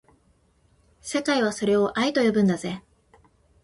世界はそれを愛と呼ぶんだぜ